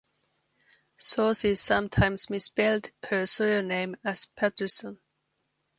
Sources sometimes misspelled her surname as Patterson.